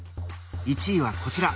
１位はこちら！